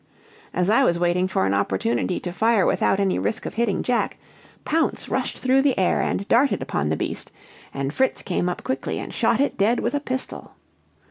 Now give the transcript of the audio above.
"As I was waiting for an opportunity to fire without any risk of hitting Jack, Pounce rushed through the air and darted upon the beast, and Fritz came up quickly and shot it dead with a pistol.